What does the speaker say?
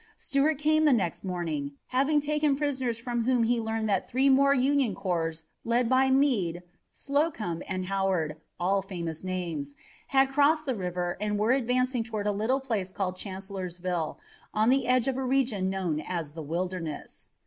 Stuart came the next morning, having taken prisoners from whom he learned that three more Union corps led by Meade, Slocum and Howard, all famous names, had crossed the river and were advancing toward a little place called Chancellorsville on the edge of a region known as the Wilderness.